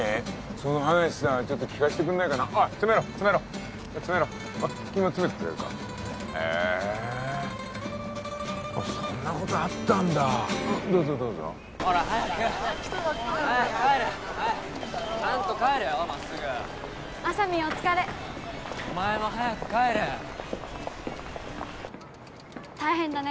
その話さちょっと聞かしてくんないかなつめろつめろつめろ君もつめてくれるかへえそんなことあったんだどうぞどうぞほら早く早く帰れちゃんと帰れよまっすぐあさみんお疲れお前も早く帰れ大変だね